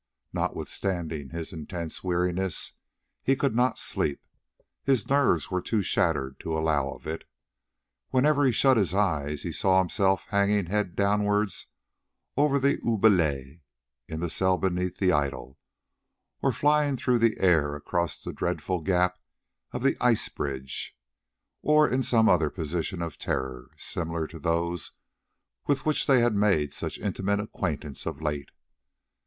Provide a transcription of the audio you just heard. Notwithstanding his intense weariness, he could not sleep, his nerves were too shattered to allow of it. Whenever he shut his eyes, he saw himself hanging head downwards over the oubliette in the cell beneath the idol, or flying through the air across the dreadful gap in the ice bridge, or in some other position of terror, similar to those with which they had made such intimate acquaintance of late.